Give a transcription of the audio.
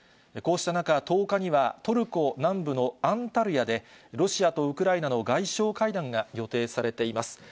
こうした中、１０日にはトルコ南部のアンタルヤで、ロシアとウクライナの外相会談が予定されています。